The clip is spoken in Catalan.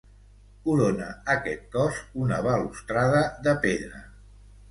Corona aquest cos una balustrada de pedra.